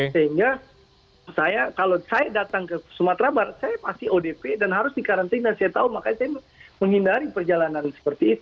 sehingga saya kalau saya datang ke sumatera barat saya masih odp dan harus dikarantina saya tahu makanya saya menghindari perjalanan seperti itu